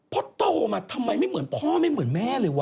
พอโตมาทำไมไม่เหมือนพ่อไม่เหมือนแม่เลยวะ